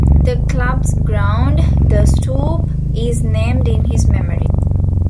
The club's ground, The Stoop, is named in his memory.